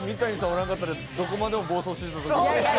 おらんかったらどこまでも暴走してたと思うんで。